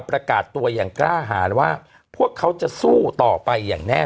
ประกาศตัวอย่างกล้าหารว่าพวกเขาจะสู้ต่อไปอย่างแน่